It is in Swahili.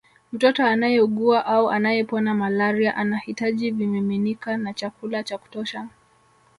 Mtoto anayeugua au anayepona malaria anahitaji vimiminika na chakula cha kutosha